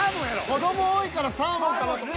子供多いからサーモン。